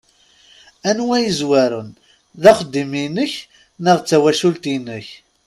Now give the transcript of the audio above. Anwa i yezwaren, d axeddim-inek neɣ d tawacult-inek?